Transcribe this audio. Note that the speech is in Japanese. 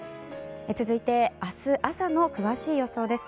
続いて明日朝の詳しい予想です。